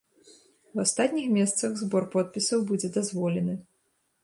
У астатніх месцах збор подпісаў будзе дазволены.